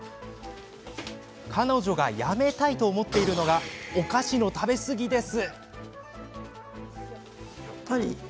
彼女がやめたいと思っているのがお菓子の食べ過ぎです。